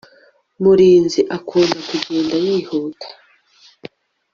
mulinzi akunda kugenda yihuta